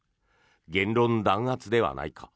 言論弾圧ではないか。